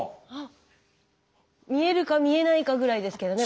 見えるか見えないかぐらいですけどね